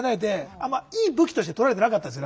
あんまいい武器として捉えてなかったです